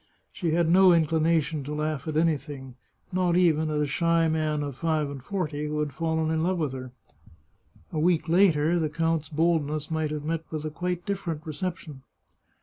She had no inclination to laugh at anything, not even at a shy man of five and forty who had fallen in love with her. A week later the count's boldness might have met with quite a different reception.